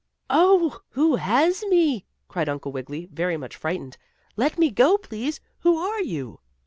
"Oh, who has me?" cried Uncle Wiggily, very much frightened. "Let me go, please. Who are you?"